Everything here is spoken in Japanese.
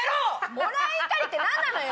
もらい怒りって何なのよ！